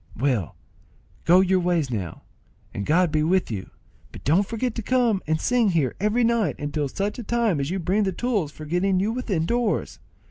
"Well, go your ways now, and God be with you; but don't forget to come and sing here every night until such time as you bring the tools for getting you within doors.